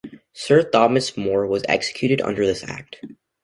Sir Thomas More was executed under this Act.